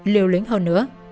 liều lính hơn